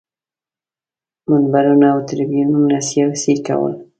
منبرونو او تریبیونونو سیاسي کول.